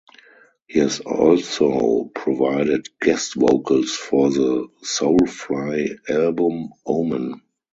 He has also provided guest vocals for the Soulfly album "Omen".